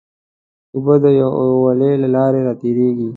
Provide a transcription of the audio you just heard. اوبه د ویالو له لارې راتېرېږي.